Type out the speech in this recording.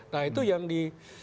nah itu yang di